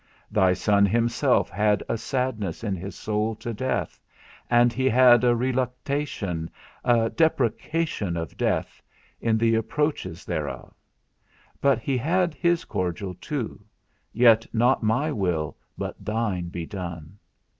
Thy Son himself had a sadness in his soul to death, and he had a reluctation, a deprecation of death, in the approaches thereof; but he had his cordial too, Yet not my will, but thine be done.